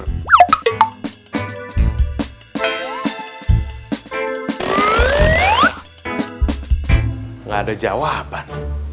enggak ada jawaban